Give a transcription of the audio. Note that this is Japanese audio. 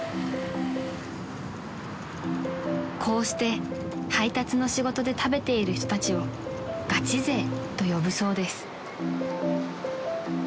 ［こうして配達の仕事で食べている人たちをガチ勢と呼ぶそうです］